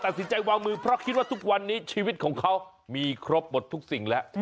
ตัดสินใจวางมือเพราะคิดว่าทุกวันนี้ชีวิตของเขามีครบหมดทุกสิ่งแล้ว